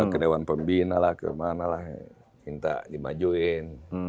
ke dewan pembina lah kemana lah minta dimajuin